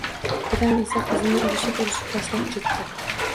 Qudam esa qizini urishib-urishib tashlab ketdi